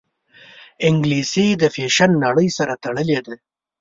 انګلیسي د فیشن نړۍ سره تړلې ده